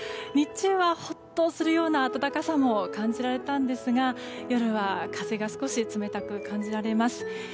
日中はホッとするような暖かさも感じられたんですが夜は風が少し冷たく感じられます。